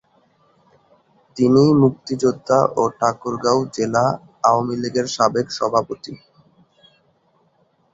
তিনি মুক্তিযুদ্ধা ও ঠাকুরগাঁও জেলা আওয়ামীলীগের সাবেক সভাপতি।